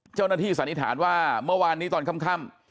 เจ้าหน้าที่สันนิษฐานว่าเมื่อวานนี้ตอนค่ำ